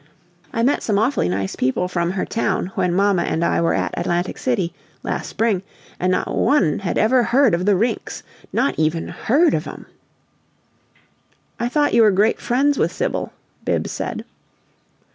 I met some awfully nice people from her town when mamma and I were at Atlantic City, last spring, and not one had ever heard of the Rinks! Not even HEARD of 'em!" "I thought you were great friends with Sibyl," Bibbs said.